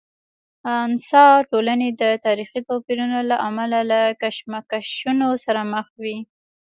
انسا ټولنې د تاریخي توپیرونو له امله له کشمکشونو سره مخ وي.